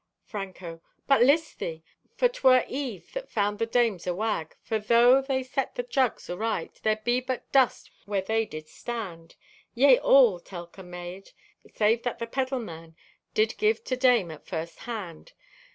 (Franco) "But list thee! For 'twere eve that found the dames awag. For tho' they set the jugs aright, there be but dust where they did stand. Yea, all, Telka maid, save that the peddle man did give to dame at first hand.